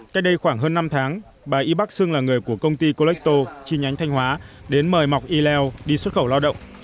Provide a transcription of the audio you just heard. cách đây khoảng hơn năm tháng bà y bác xưng là người của công ty colecto chi nhánh thanh hóa đến mời mọc il đi xuất khẩu lao động